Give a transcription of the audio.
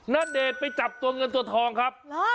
ณเดชน์ไปจับตัวเงินตัวทองครับ